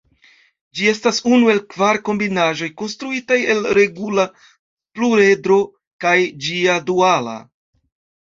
Ĝi estas unu el kvar kombinaĵoj konstruitaj el regula pluredro kaj ĝia duala.